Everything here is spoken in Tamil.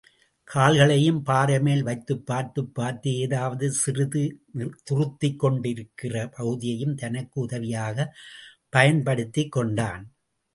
கால்களையும் பாறை மேல் வைத்துப் பார்த்துப் பார்த்து ஏதாவது சிறிது துறுத்திக்கொண்டிருக்கிற பகுதியையும் தனக்கு உதவியாகப் பயன்படுத்திக்கொண்டான்.